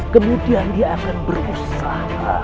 kemudian dia akan berusaha